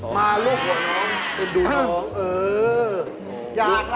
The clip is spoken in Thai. มาลูกหัวน้อง